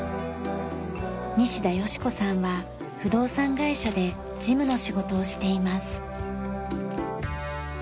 西田芳子さんは不動産会社で事務の仕事をしています。